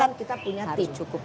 kan kita punya tim